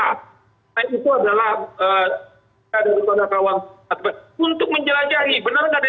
nama nama itu ada apa nggak